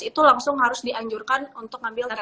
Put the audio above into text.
itu langsung harus dianjurkan untuk ambil tes swab